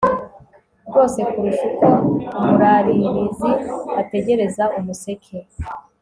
rwose kurusha uko umuraririzi ategereza umuseke